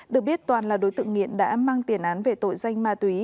được biết toàn là đối tượng nghiện đã mang tiền án về tội danh ma túy